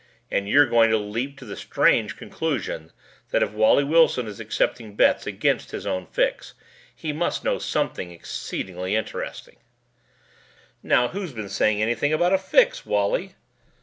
And you're going to leap to the strange conclusion that if Wally Wilson is accepting bets against his own fix, he must know something exceedingly interesting." "Now, who's been saying anything about a fix, Wally?"